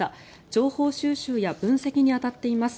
情報収集や分析に当たっています。